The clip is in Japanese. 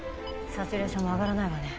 サチュレーションも上がらないわね。